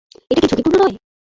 এটা কি ঝুঁকিপূর্ণ নয়?